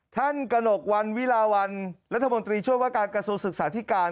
ท่านกระหนกวันวีราวัลรัฐมนตรีช่วยภักดิ์การกระทู้ศึกษาที่การ